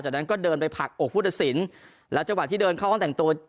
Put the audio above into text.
จากนั้นก็เดินไปผลักอกผู้ตัดสินแล้วจังหวะที่เดินเข้าห้องแต่งตัว